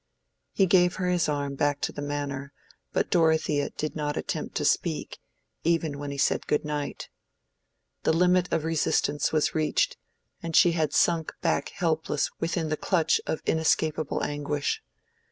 He gave her his arm back to the Manor, but Dorothea did not attempt to speak, even when he said good night. The limit of resistance was reached, and she had sunk back helpless within the clutch of inescapable anguish.